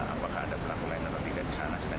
apakah ada pelaku lain atau tidak di sana